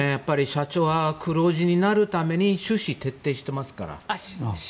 社長は黒字になるために終始徹底してますから。